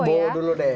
bowo dulu deh